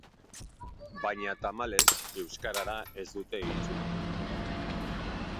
Baina tamalez, euskarara ez dute itzuli.